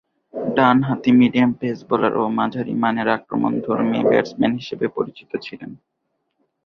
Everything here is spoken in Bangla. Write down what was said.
ডানহাতি মিডিয়াম পেস বোলার ও মাঝারিমানের আক্রমণধর্মী ব্যাটসম্যান হিসেবে পরিচিত ছিলেন।